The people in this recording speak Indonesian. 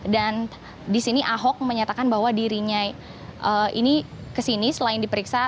dan di sini ahok menyatakan bahwa dirinya ini kesini selain diperiksa